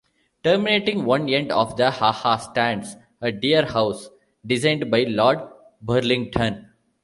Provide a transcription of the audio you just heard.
Terminating one end of the Ha-ha stands a Deer House designed by Lord Burlington.